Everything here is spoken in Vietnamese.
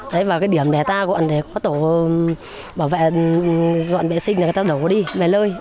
đấy và cái điểm để ta gọn để có tổ bảo vệ dọn vệ sinh là người ta đổ đi về lơi